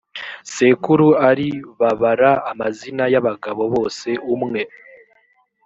sekuru ari babara amazina y abagabo bose umwe